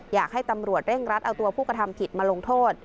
อยากให้ตำรวจเร่งรัดเอาตัวผู้กระทำผิดมาลงโทษ